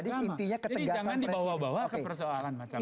jadi jangan dibawa bawa ke persoalan macam itu